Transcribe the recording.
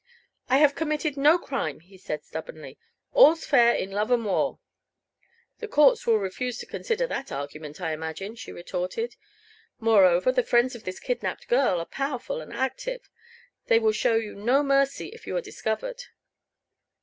"I have committed no crime," he said stubbornly. "All's fair in love and war." "The courts will refuse to consider that argument, I imagine," she retorted. "Moreover, the friends of this kidnaped girl are powerful and active. They will show you no mercy if you are discovered."